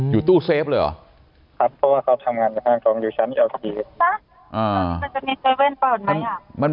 อยู่ตู้เซฟเลยหรอ